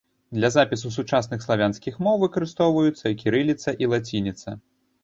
Для запісу сучасных славянскіх моў выкарыстоўваюцца кірыліца і лацініца.